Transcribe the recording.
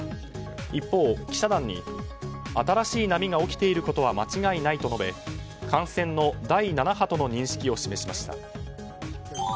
一方、記者団に新しい波が起きていることは間違いないと述べ、感染の第７波との認識を示しました。